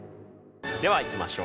ではいきましょう。